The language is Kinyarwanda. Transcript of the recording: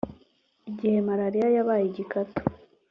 Igihe marariya yabaye igikatu